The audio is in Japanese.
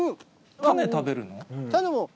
種、食べるの？